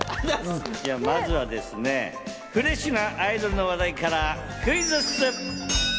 じゃあまずはですね、フレッシュなアイドルの話題からクイズッス！